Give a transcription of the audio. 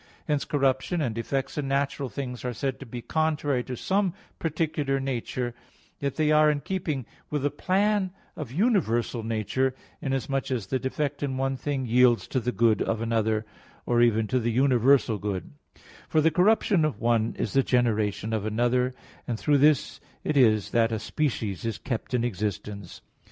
Hence, corruption and defects in natural things are said to be contrary to some particular nature; yet they are in keeping with the plan of universal nature; inasmuch as the defect in one thing yields to the good of another, or even to the universal good: for the corruption of one is the generation of another, and through this it is that a species is kept in existence.